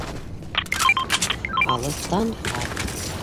Алыҫтан хат